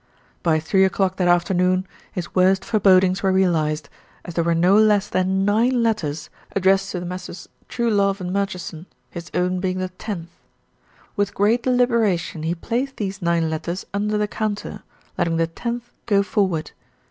By three o'clock that afternoon his worst forebod ings were realised, as there were no less than nine let ters addressed to Messrs. Truelove and Murchison, his own being the tenth. With great deliberation, he placed these nine letters under the counter, letting the tenth go forward.